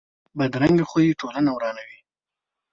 بدرنګه خوی ټولنه ورانوي